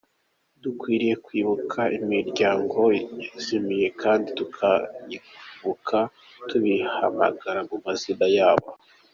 Dukwiye kwibuka imiryango yazimye kandi tukayibuka tuyihamagara mu mazina yabo.